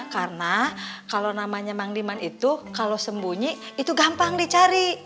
karena kalo namanya mang diman itu kalo sembunyi itu gampang dicari